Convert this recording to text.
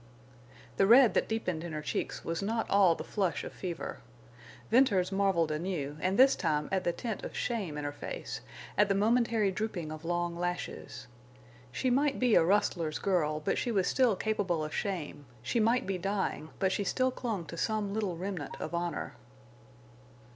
The red that deepened in her cheeks was not all the flush of fever. Venters marveled anew, and this time at the tint of shame in her face, at the momentary drooping of long lashes. She might be a rustler's girl, but she was still capable of shame, she might be dying, but she still clung to some little remnant of honor.